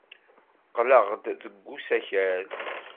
Qqleɣ-d deg usakal.